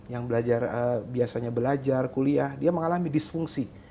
yang biasanya belajar kuliah dia mengalami disfungsi